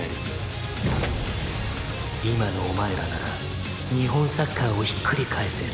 「今のお前らなら日本サッカーをひっくり返せる」